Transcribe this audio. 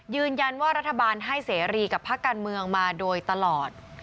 ยืนยันว่ารัฐบาลให้เสรีกับภาคการเมืองมาโดยตลอด